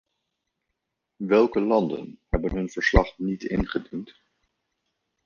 Welke landen hebben hun verslag niet ingediend?